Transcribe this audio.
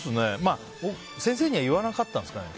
先生には言わなかったんですかね。